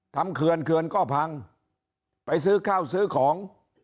เขื่อนเขื่อนก็พังไปซื้อข้าวซื้อของ